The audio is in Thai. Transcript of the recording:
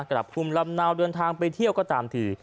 กลับภูมิลำเนาเดินทางไปเที่ยวก็ตามที